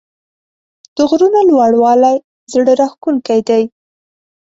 د غرونو لوړوالی زړه راښکونکی دی.